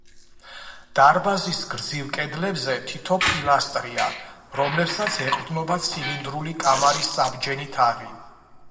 დარბაზის გრძივ კედლებზე თითო პილასტრია, რომლებსაც ეყრდნობა ცილინდრული კამარის საბჯენი თაღი.